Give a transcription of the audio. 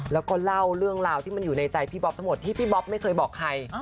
แล้วก็เล่าเรื่องราวที่มันอยู่ในใจพี่บ๊อบทั้งหมดที่พี่บ๊อบไม่เคยบอกใคร